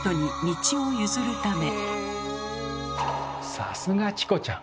さすがチコちゃん。